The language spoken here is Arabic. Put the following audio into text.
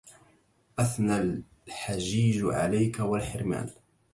أثنى الحجيج عليك والحرمان